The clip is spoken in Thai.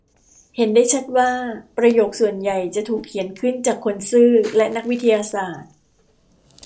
เห็นได้ชัดว่าประโยคส่วนใหญ่จะถูกเขียนขึ้นจากคนซื่อและนักวิทยาศาสตร์